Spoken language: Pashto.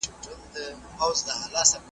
چي بد ګرځي بد به پرځي ,